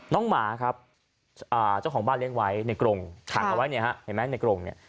หมาครับเจ้าของบ้านเลี้ยงไว้ในกรงขังเอาไว้เนี่ยฮะเห็นไหมในกรงเนี่ย